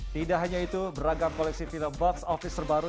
tidak hanya itu beragam koleksi film box office terbaru